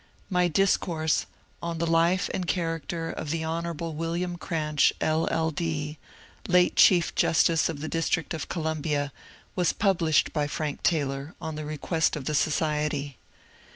My discourse ^* On the Life and Charac ter of the Hon. William Cranch, LL. D., late Chief Justice of the District of Columbia," was published by Franck Taylor, on request of the society.